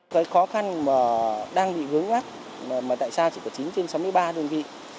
cái khó khăn mà đang bị hướng áp mà tại sao chỉ có chín trên sáu mươi ba đồng vị